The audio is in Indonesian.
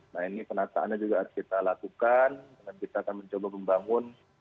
nah ini penataannya juga harus kita lakukan dan kita akan mencoba membangun